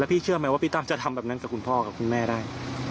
พี่เชื่อไหมว่าพี่ตั้มจะทำแบบนั้นกับคุณพ่อกับคุณแม่ได้